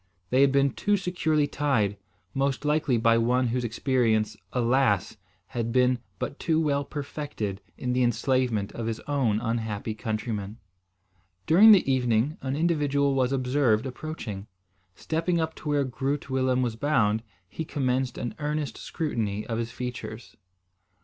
They had been too securely tied, most likely by one whose experience, alas! had been but too well perfected in the enslavement of his own unhappy countrymen. During the evening, an individual was observed approaching. Stepping up to where Groot Willem was bound, he commenced an earnest scrutiny of his features.